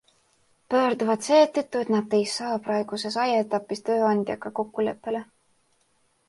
Pöörduvad seetõttu, et nad ei saa praeguses ajaetapis tööandjaga kokkuleppele.